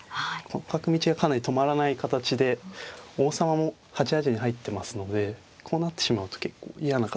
角道がかなり止まらない形で王様も８八に入ってますのでこうなってしまうと結構嫌な形ですかね。